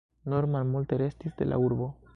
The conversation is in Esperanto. Nur malmulte restis de la urbo.